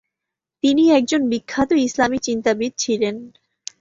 তিনি একজন বিখ্যাত ইসলামি চিন্তাবিদ ছিলেন।